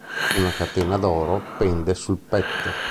Una catena d'oro pende sul petto.